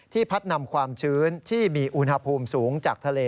พัดนำความชื้นที่มีอุณหภูมิสูงจากทะเล